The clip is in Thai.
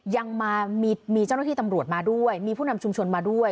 ยังมีเจ้าหน้าที่ตำรวจมาด้วยมีผู้นำชุมชนมาด้วย